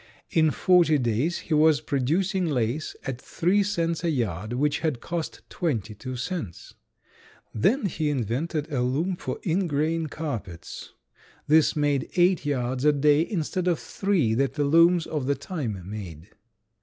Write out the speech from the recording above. In forty days he was producing lace at three cents a yard which had cost twenty two cents. Then he invented a loom for ingrain carpets; this made eight yards a day instead of three that the looms of the time made.